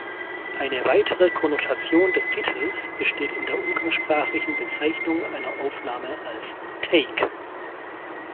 Eine weitere Konnotation des Titels besteht in der umgangssprachlichen Bezeichnung einer Aufnahme als Take.